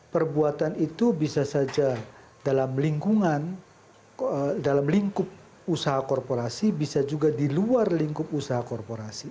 perbuatan itu bisa saja dalam lingkungan dalam lingkup usaha korporasi bisa juga di luar lingkup usaha korporasi